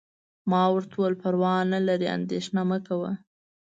ما وویل: پروا نه لري، اندیښنه مه کوه.